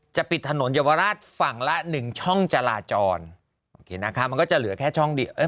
ปิดถนนเยาวราชฝั่งละหนึ่งช่องจราจรโอเคนะคะมันก็จะเหลือแค่ช่องเดียวเออ